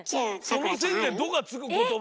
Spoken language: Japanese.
その線で「ド」がつくことば。